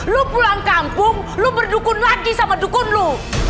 lu pulang kampung lu berdukun lagi sama dukun lu